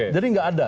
jadi gak ada